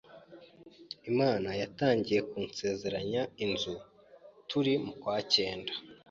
Imana yatangiye kunsezeranya inzu turi mu kwa cyenda,